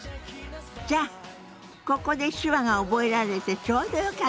じゃあここで手話が覚えられてちょうどよかったわね。